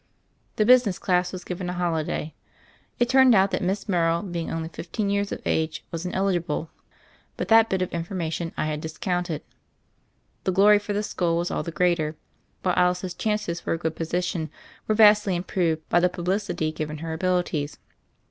The business class was given a ^holiday. It turned out that Miss Morrow, being only fifteen years of age, was ineligible; but that bit of information I had discounted. The glory for the school was all the greater; while Alice's chances for a good position were vastly im proved by the publicity given her abilities.